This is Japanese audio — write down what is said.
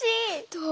どう？